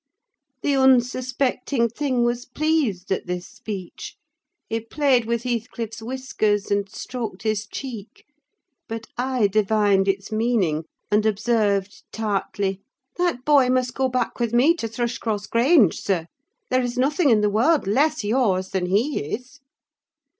The unsuspecting thing was pleased at this speech: he played with Heathcliff's whiskers, and stroked his cheek; but I divined its meaning, and observed tartly, "That boy must go back with me to Thrushcross Grange, sir. There is nothing in the world less yours than he is!"